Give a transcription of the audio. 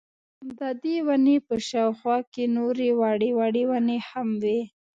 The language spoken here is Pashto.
ددې وني په شاوخوا کي نوري وړې وړې وني هم وې